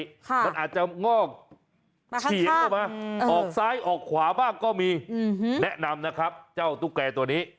มันอาจจะงอกเฉียงออกมาออกซ้ายออกขวาบ้างก็มีแนะนำนะครับเจ้าตุ๊กแก่ตัวนี้